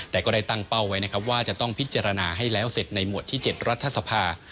แต่ก็ได้ตั้งเป้าไว้นะครับว่าจะต้องพิจารณาให้แล้วเสร็จในหมวดที่๗รัฐสภา